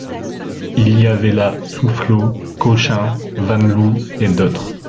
Il y avait là Soufflot, Cochin, Van Loo et d'autres.